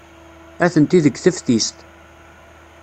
Atenti deg teftist.